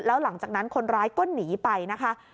แล้วหลังจากนั้นคนร้ายก็หนีไปนะคะ